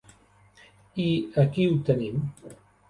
I aquí ho tenim.